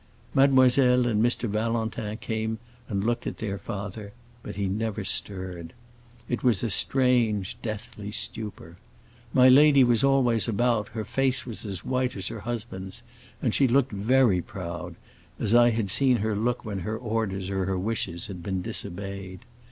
Mademoiselle and Mr. Valentin came and looked at their father, but he never stirred. It was a strange, deathly stupor. My lady was always about; her face was as white as her husband's, and she looked very proud, as I had seen her look when her orders or her wishes had been disobeyed.